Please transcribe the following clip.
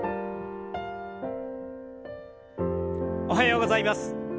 おはようございます。